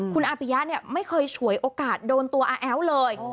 คุณอาปิยะเนี่ยไม่เคยฉวยโอกาสโดนตัวอาแอ้วเลย